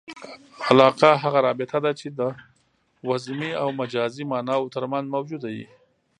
علاقه هغه رابطه ده، چي د وضمي او مجازي ماناوو ترمنځ موجوده يي.